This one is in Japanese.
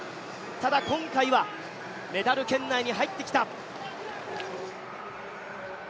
ただ、今回はメダル圏内に入ってきた。